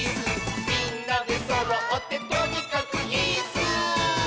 「みんなでそろってとにかくイス！」